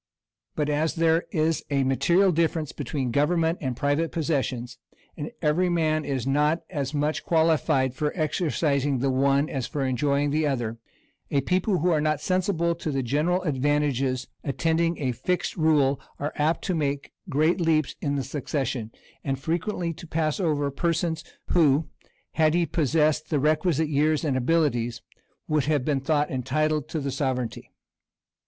But as there is a material difference between gov * *ernment and private possessions, and every man is not as much qualified for exercising the one as for enjoying the other, a people who are not sensible of the general advantages attending a fixed rule are apt to make great leaps in the succession, and frequently to pass over the person, who, had he possessed the requisite years and abilities, would have been thought entitled to the sovereignty.